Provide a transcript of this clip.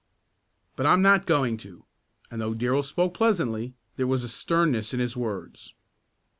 "But I'm not going to," and though Darrell spoke pleasantly there was a sternness in his words.